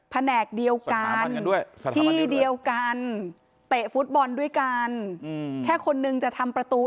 แผนกเดียวกันที่เดียวกันเตะฟุตบอลด้วยกันแค่คนนึงจะทำประตู